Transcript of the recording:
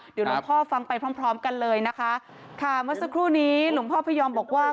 เดี๋ยวหลวงพ่อฟังไปพร้อมพร้อมกันเลยนะคะค่ะเมื่อสักครู่นี้หลวงพ่อพยอมบอกว่า